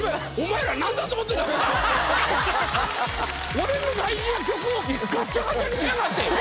俺の大事な曲をガッチャガチャにしやがって。